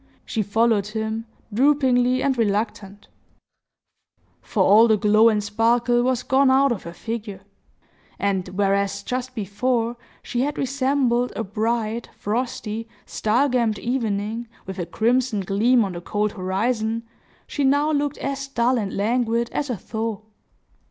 She followed him, droopingly and reluctant; for all the glow and sparkle was gone out of her figure; and whereas just before she had resembled a bright, frosty, star gemmed evening, with a crimson gleam on the cold horizon, she now looked as dull and languid as a thaw.